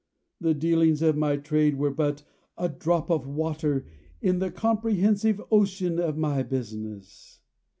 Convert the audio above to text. The dealings of my trade were but a drop of water in the comprehensive ocean of my business!"